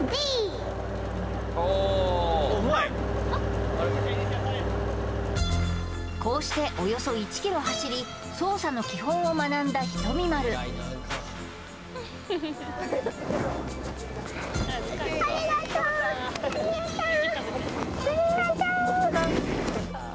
あこうしておよそ１キロ走り操作の基本を学んだひとみ○ありがとう犬さん